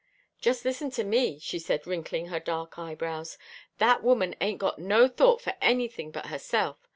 "Just listen to me," she said wrinkling her dark eyebrows, "that woman ain't got no thought for anything but herself.